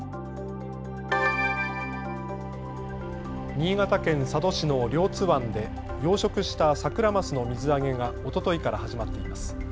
新潟県佐渡市の両津湾で養殖したサクラマスの水揚げがおとといから始まっています。